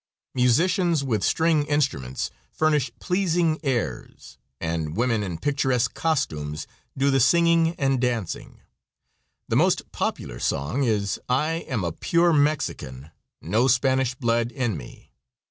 Musicians with string instruments furnish pleasing airs, and women in picturesque costumes do the singing and dancing. The most popular song is "I am a pure Mexican, no Spanish blood in me."